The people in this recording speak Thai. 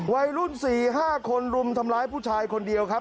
วัยรุ่น๔๕คนรุมทำร้ายผู้ชายคนเดียวครับ